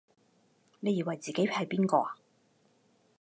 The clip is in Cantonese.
你以為自己係邊個啊？